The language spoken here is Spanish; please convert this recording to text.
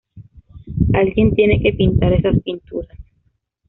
Alguien tiene que pintar esas pinturas.